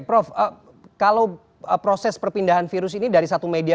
prof kalau proses perpindahan virus ini dari satu media